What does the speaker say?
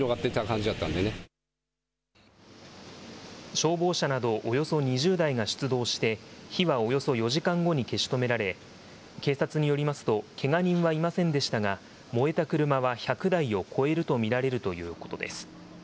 消防車などおよそ２０台が出動して、火はおよそ４時間後に消し止められ、警察によりますと、けが人はいませんでしたが、燃えた車は１００台を超えると見られるということです。